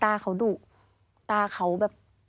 ตาเขาดุตาเขาแบบ